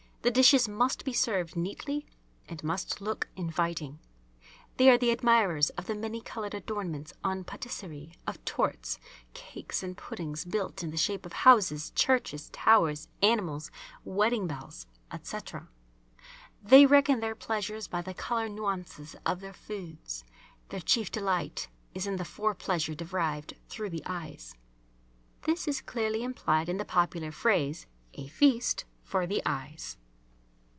The dishes must be served neatly and must look inviting. They are the admirers of the many coloured adornments on patisserie, of torts, cakes, and puddings built in the shape of houses, churches, towers, animals, wedding bells, etc. They reckon their pleasures by the colour nuances of their foods. Their chief delight is in the fore pleasure derived through the eyes. (This is clearly implied in the popular phrase "a feast for the eyes.")